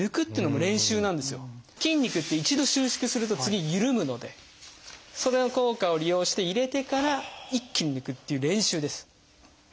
筋肉って一度収縮すると次緩むのでそれの効果を利用して入れてから一気に抜くっていう練習です。